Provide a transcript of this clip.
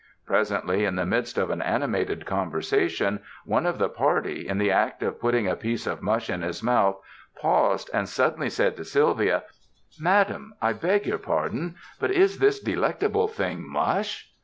Presently in the midst of an animated conversation, one of the party, in the act of putting a piece of mush in his mouth, paused and suddenly said to Sylvia: Madam, I beg your pardon, but is this delecta ble thing — mush?"